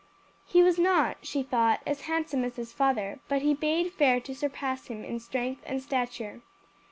He was not, she thought, as handsome as his father, but he bade fair to surpass him in strength and stature.